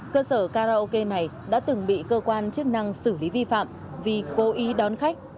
cơ sở karaoke này đã từng bị cơ quan chức năng xử lý vi phạm vì cố ý đón khách